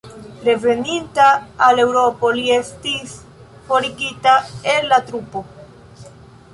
Reveninta al Eŭropo li estis forigita el la trupo.